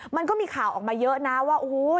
มันก็มีข่าวออกมาเยอะนะว่าโอ้โห